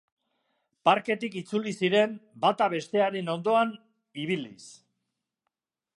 Parketik itzuli ziren, bata bestearen ondoan ibiliz.